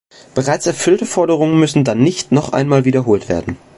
Bereits erfüllte Forderungen müssen dann nicht noch einmal wiederholt werden.